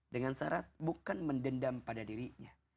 dengan syarat bukan mendendam pada dirinya